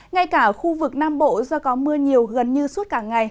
ngay cả khu vực nam bộ do có mưa nhiều gần như suốt cả ngày